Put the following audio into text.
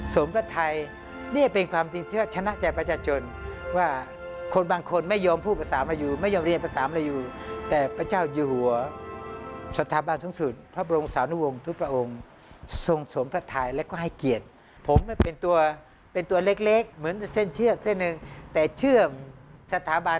สถาบันสูงสุดของประเทศ